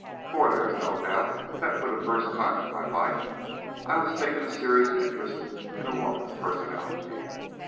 For there is no doubt, that for the first time in my life I was taking a serious interest in a woman's personality.